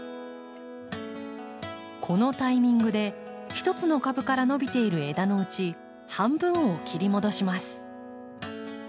このタイミングで１つの株から伸びている枝のうち半分を切り戻します。